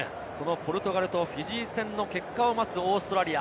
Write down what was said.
ポルトガルとフィジー戦の結果を待つオーストラリア。